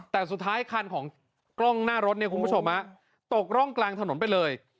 แต่สุดท้ายคันของกล้องหน้ารถตกร่องกลางถนนไปเลย